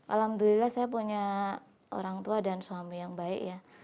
alhamdulillah saya punya orang tua dan suami yang baik ya